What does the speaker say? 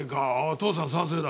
父さん賛成だ。